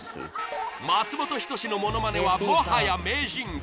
松本人志のものまねはもはや名人芸